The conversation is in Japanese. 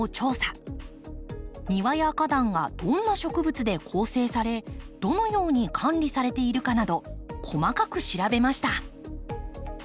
庭や花壇がどんな植物で構成されどのように管理されているかなど細かく調べました。